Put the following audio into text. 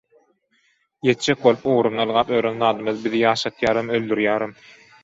Ýetjek bolup ugrunda ylgap ýören zadymyz bizi ýaşadýaram, öldürýärem.